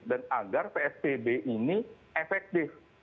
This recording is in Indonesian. dan agar pspb ini efektif